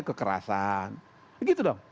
kekerasan begitu dong